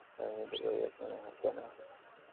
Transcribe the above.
এখানে নিজেদেরকে অভিজাত মনে হয়, তাই না?